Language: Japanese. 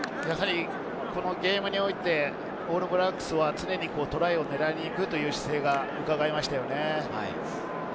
ゲームにおいて、オールブラックスは常にトライを狙いにいくという姿勢がうかがえましたよね。